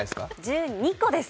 １２個です。